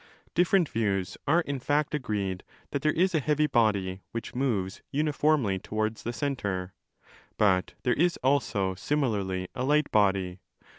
DE CAELO Different views are in fact agreed that there is a heavy body, which moves uniformly towards the centre. But 20 there is also similarly a light body.